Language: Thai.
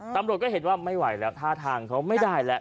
ตำรวจก็เห็นว่าไม่ไหวแล้วท่าทางเขาไม่ได้แล้ว